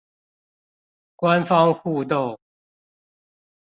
官方互動